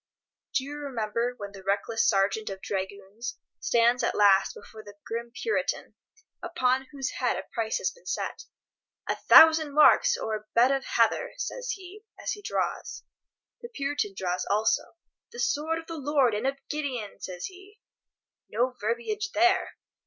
Do you remember when the reckless Sergeant of Dragoons stands at last before the grim Puritan, upon whose head a price has been set: "A thousand marks or a bed of heather!" says he, as he draws. The Puritan draws also: "The Sword of the Lord and of Gideon!" says he. No verbiage there!